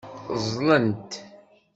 Ẓẓlent.